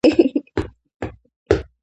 მარცვალი ზის ყვავილის კილში.